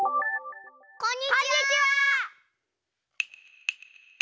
こんにちは！